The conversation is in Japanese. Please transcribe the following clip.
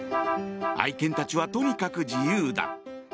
愛犬たちはとにかく自由だ。